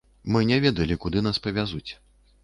Мы не ведалі, куды нас павязуць.